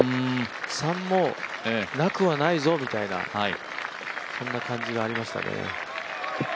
３もなくはないぞっていうようなそんな感じはありましたね。